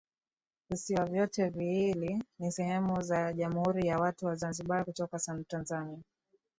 Visiwa vyote viwili ni sehemu za Jamhuri ya watu wa Zanzibar katika Tanzania